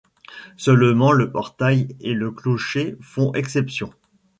Seulement le portail et le clocher font exception.